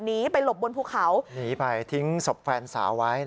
หนีไปหลบบนภูเขาหนีไปทิ้งศพแฟนสาวไว้